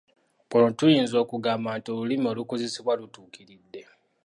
Wano tuyinza okugamba nti olulimi olukozesebwa lutuukiridde.